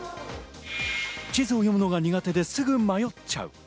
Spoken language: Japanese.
地図を読むのが苦手ですぐ迷っちゃう。